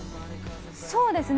そうですね。